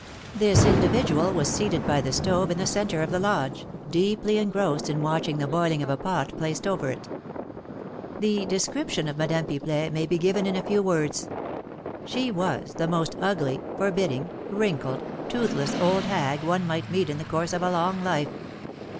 This individual was seated by the stove in the centre of the lodge, deeply engrossed in watching the boiling of a pot placed over it. The description of Madame Pipelet may be given in a few words. She was the most ugly, forbidding, wrinkled, toothless old hag one might meet in the course of a long life.